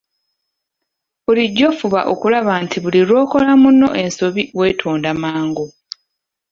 Bulijjo fuba okulaba nti buli lw'okola munno ensobi weetonda mangu.